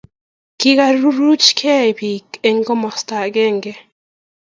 Kikairuchkei bik eng komasta agenge